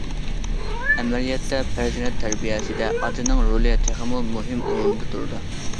ئەمەلىيەتتە، پەرزەنت تەربىيەسىدە ئاتىنىڭ رولى تېخىمۇ مۇھىم ئورۇندا تۇرىدۇ.